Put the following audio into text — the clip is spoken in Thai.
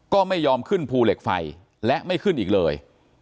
ก็ไม่ยอมขึ้นภูเหล็กไฟและไม่ขึ้นอีกเลย